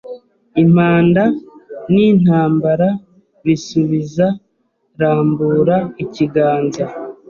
impanda nintambara bisubiza Rambura ikiganza